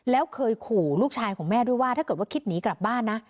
แล้วเคยขู่ลูกชายของแม่ด้วยว่าถ้าเกิดว่าคิดหนีกลับบ้านนะ